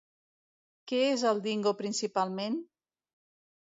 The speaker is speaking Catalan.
Què és el dingo principalment?